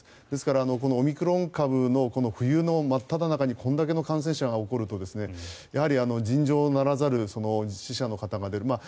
ですから、オミクロン株の冬の真っただ中にこれだけの感染者が起こるとやはり尋常ならざる死者の方が出る。